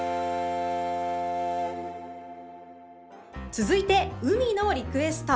続いて海のリクエスト。